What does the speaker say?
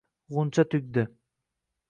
g‘uncha tugdi.